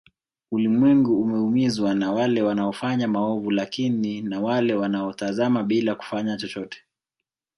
Ulimwengu umeumizwa na wale wanaofanya maovu lakini na wale wanao watazama bila kufanya chochote